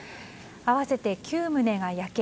合わせて９棟が焼け